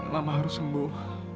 mama harus sembuh